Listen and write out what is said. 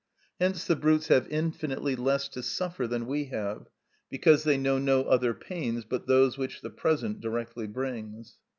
Hence the brutes have infinitely less to suffer than we have, because they know no other pains but those which the present directly brings.